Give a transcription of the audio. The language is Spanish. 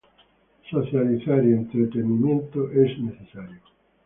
Socializar y entrenamiento es necesario.